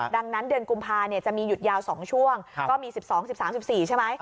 ดังนั้นเดือนกุมภาจะมีหยุดยาว๒ช่วงก็มี๑๒๑๓๑๔ใช่ไหม